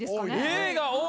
Ａが多い。